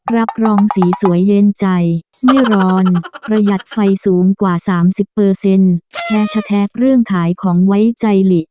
รับรองสีสวยเย็นใจไม่ร้อนประหยัดไฟสูงกว่า๓๐แฮชแท็กเรื่องขายของไว้ใจหลี